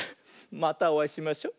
またおあいしましょ。